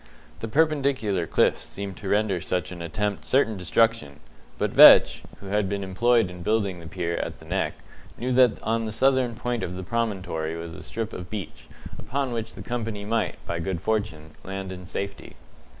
The perpendicular cliffs seemed to render such an attempt certain destruction; but Vetch, who had been employed in building the pier at the Neck, knew that on the southern point of the promontory was a strip of beach, upon which the company might, by good fortune, land in safety.